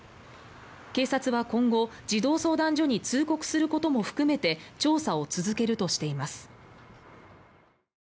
警察は今後、児童相談所に通告することも含めて調査を続けるとしています。